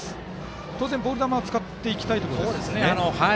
当然ボール球は使っていきたいところですよね。